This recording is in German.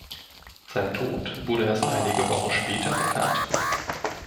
Sein Tod wurde erst einige Wochen später bekannt.